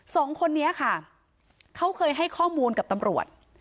สองคนนี้ค่ะเขาเคยให้ข้อมูลกับตำรวจ